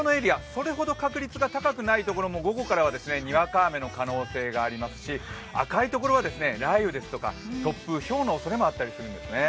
それほど確率が高くないところも、午後からにわか雨の可能性がありますし赤いところは雷雨ですとか突風、ひょうのおそれもあったりするんですね。